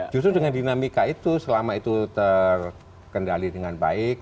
justru dengan dinamika itu selama itu terkendali dengan baik